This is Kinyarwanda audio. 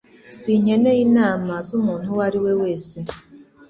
Sinkeneye inama z'umuntu uwo ari we wese